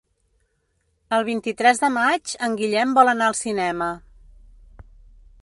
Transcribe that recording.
El vint-i-tres de maig en Guillem vol anar al cinema.